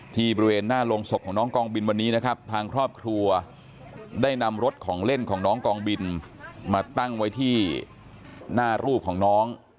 บริเวณหน้าโรงศพของน้องกองบินวันนี้นะครับทางครอบครัวได้นำรถของเล่นของน้องกองบินมาตั้งไว้ที่หน้ารูปของน้อง